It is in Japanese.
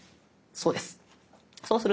そうです。